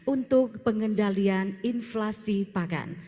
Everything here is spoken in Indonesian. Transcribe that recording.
untuk pengendalian inflasi pangan